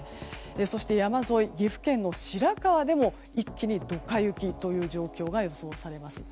そして、山沿い岐阜県の白川でも一気にドカ雪という状況が予想されます。